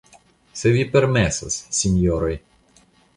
Se vi permesos, sinjoroj!